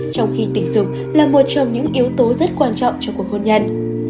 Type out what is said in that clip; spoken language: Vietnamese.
trong khi tình dục là một trong những yếu tố rất quan trọng cho cuộc hôn nhân